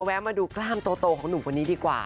เราแวะมาดูกล้ามโตโตของหนุ่มพวกนี้ดีกว่า